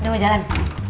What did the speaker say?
udah mau jalan